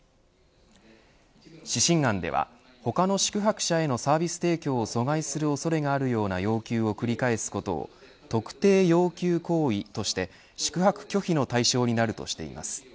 指針案では他の宿泊者へのサービス提供を阻害する恐れがあるような要求を繰り返すことを特定要求行為として宿泊拒否の対象になるとしています。